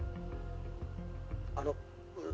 あの。